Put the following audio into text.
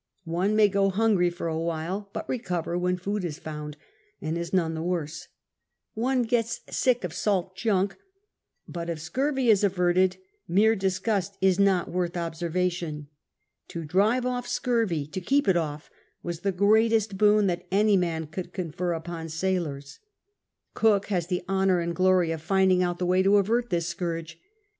One may go hungry for a while, but recover when food is h)iind and is none the worse ; one gets sick of salt junk, but if scurvy is averted, mere disgust is not worth observation. To drive off scurvy— to keep it off — was the greatest boon that any man could confer upon sailors. Cook has the honour and glory of finding out the way to avert this scourge.